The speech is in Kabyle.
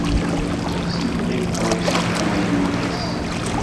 Sliɣ i tɣawsa d tamaynut ass-a.